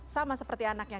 sama seperti anaknya